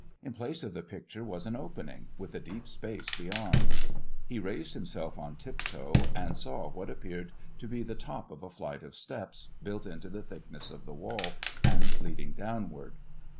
In place of the picture was an opening, with a deep space beyond. He raised himself on tiptoe, and saw what appeared to be the top of a flight of steps, built into the thickness of the wall, and leading downward.